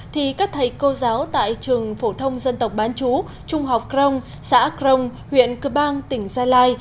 thì các thầy cô giáo tại trường phổ thông dân tộc bán chú trung học crong xã crong huyện cơ bang tỉnh gia lai